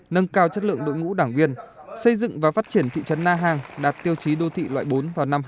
nâng cao chất lượng đội ngũ đảng viên xây dựng và phát triển thị trấn na hàng đạt tiêu chí đô thị loại bốn vào năm hai nghìn hai mươi